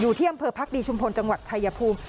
อยู่เที่ยมเผอร์พรรคดีชุมพลจังหวัดชายภูมิ